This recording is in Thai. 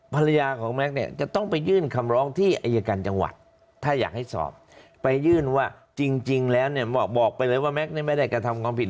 ภรรยาของแก๊กเนี่ยจะต้องไปยื่นคำร้องที่อายการจังหวัดถ้าอยากให้สอบไปยื่นว่าจริงแล้วเนี่ยบอกไปเลยว่าแก๊กนี่ไม่ได้กระทำความผิด